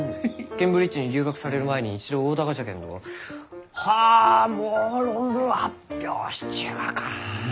ケンブリッジに留学される前に一度会うたがじゃけんどはあもう論文発表しちゅうがか。